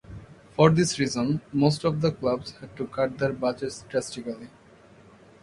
For this reason, most of the clubs had to cut their budgets drastically.